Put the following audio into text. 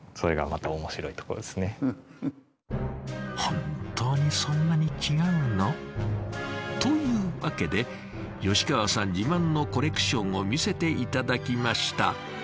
本当にそんなに違うの？というわけで吉川さん自慢のコレクションを見せて頂きました。